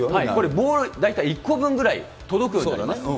ボール、大体１個分ぐらい届くようになります。